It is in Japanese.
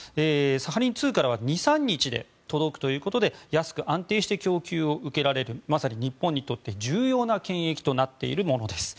サハリン２からは２３日で届くということで安く、安定して供給を受けられるまさに日本にとって重要な権益となっているものです。